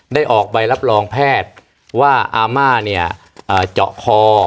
ได้ออกใบรับรองแพทย์ว่าอาม่าเจาะคอ